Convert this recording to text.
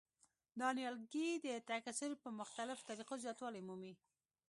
دا نیالګي د تکثیر په مختلفو طریقو زیاتوالی مومي.